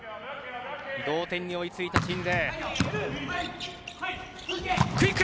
同点に追いついた鎮西。